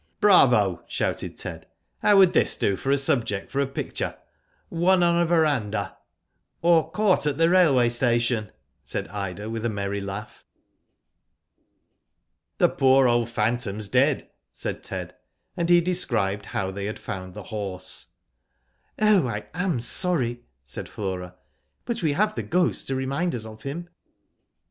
*' Bravo !" shouted Ted. " How would this do for a subject for a picture, ' Won on a verandah.' "*' Or, ' Caught at the railway station,' " said Ida, with a merry laugh. " The poor old phantom's dead," said Ted ; and he described how they had found the horse. " Oh, I am sorry," said Flora ;" but we have the Ghost to remind us of him."